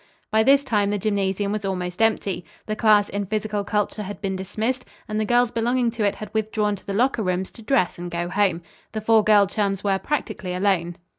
By this time the gymnasium was almost empty. The class in physical culture had been dismissed, and the girls belonging to it had withdrawn to the locker rooms to dress and go home. The four girl chums were practically alone.